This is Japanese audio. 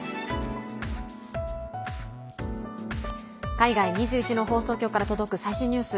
海外２１の放送局から届く最新ニュース。